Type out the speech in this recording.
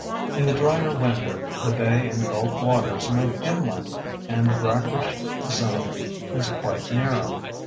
In the drier winter the bay and gulf waters move inland and the brackish zone is quite narrow.